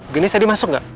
gendis tadi masuk nggak